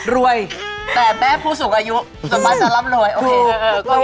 รวยแต่แม่ผู้สูงอายุสมัครจะล้ำรวย